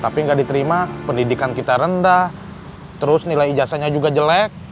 tapi nggak diterima pendidikan kita rendah terus nilai ijasanya juga jelek